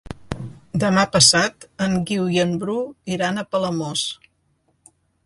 Demà passat en Guiu i en Bru iran a Palamós.